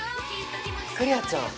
クレアちゃん。